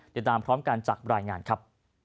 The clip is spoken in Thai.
ติดตามพร้อมกันจากรายงานครับ